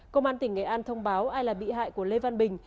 công an tỉnh nghệ an thông báo ai là bị hại của lê văn bình